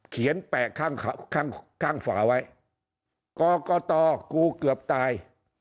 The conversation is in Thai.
เขียนแปะข้างฝ่าไว้กอกฏฒกูเกือบตาย